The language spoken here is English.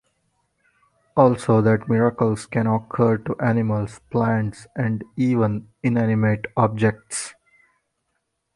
Also that miracles can occur to animals, plants, and even inanimate objects.